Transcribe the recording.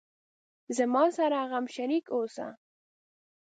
زما سره غم شریک اوسه